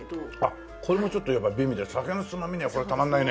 これもちょっとやっぱり美味で酒のつまみにはこれたまらないね。